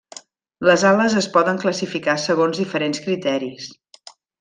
Les ales es poden classificar segons diferents criteris.